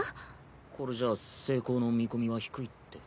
これじゃ成功の見込みは低いって。